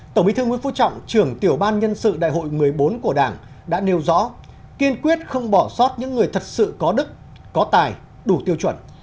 tổng bí thư nguyễn phú trọng trưởng tiểu ban nhân sự đại hội một mươi bốn của đảng đã nêu rõ kiên quyết không bỏ sót những người thật sự có đức có tài đủ tiêu chuẩn